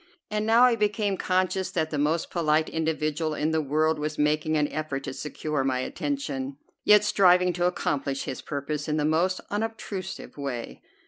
And now I became conscious that the most polite individual in the world was making an effort to secure my attention, yet striving to accomplish his purpose in the most unobtrusive way.